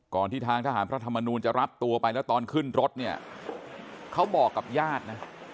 ที่ทางทหารพระธรรมนูลจะรับตัวไปแล้วตอนขึ้นรถเนี่ยเขาบอกกับญาตินะ